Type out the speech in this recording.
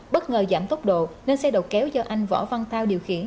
bất ngờ giảm tốc độ nên xe đầu kéo do anh võ văn thao điều khiển